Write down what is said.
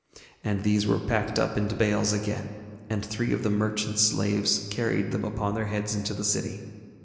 And these were packed up into bales again, and three of the merchant's slaves carried them upon their heads into the city.